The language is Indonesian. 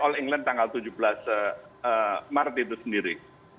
all england tanggal tujuh belas maret itu sendiri